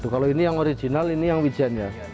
kalau ini yang original ini yang wijen ya